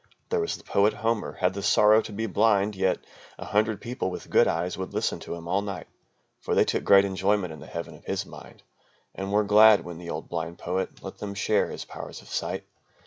"There was the poet Homer had the sorrow to be blind, Yet a hundred people with good eyes would listen to him all night; For they took great enjoyment in the heaven of his mind, And were glad when the old blind poet let them share his powers of sight.